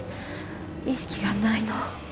意識がないの。